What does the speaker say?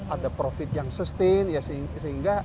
ada profit yang sustain